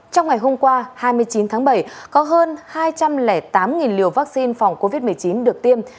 trong ngày hôm qua hai mươi chín tháng bảy có hơn hai trăm linh tám liều vaccine phòng covid một mươi chín được tiêm